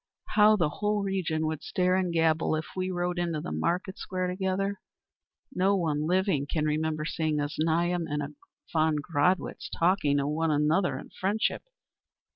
"How the whole region would stare and gabble if we rode into the market square together. No one living can remember seeing a Znaeym and a von Gradwitz talking to one another in friendship.